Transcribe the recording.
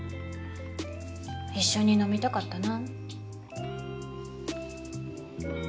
一緒に飲みたかったな。